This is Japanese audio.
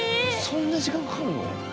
そんな時間かかんの？